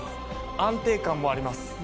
安定感もあります。